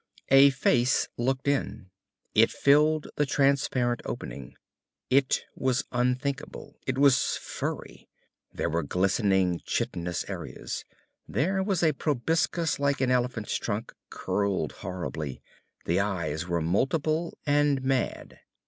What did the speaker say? A face looked in. It filled the transparent opening. It was unthinkable. It was furry. There were glistening chitinous areas. There was a proboscis like an elephant's trunk, curled horribly. The eyes were multiple and mad.